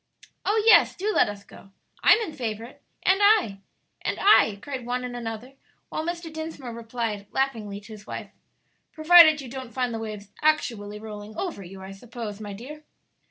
"Oh, yes, do let us go!" "I'm in favor of it!" "And I!" "And I!" cried one and another, while Mr. Dinsmore replied, laughingly, to his wife, "Provided you don't find the waves actually rolling over you, I suppose, my dear.